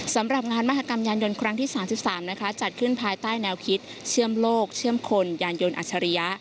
สำหรับงานมหากรรมยานยนต์ครั้งที่๓๓นะคะจัดขึ้นภายใต้แนวคิดเชื่อมโลกเชื่อมคนยานยนต์อัชริยะ